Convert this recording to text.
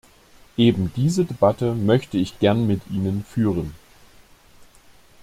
Eben diese Debatte möchte ich gern mit Ihnen führen.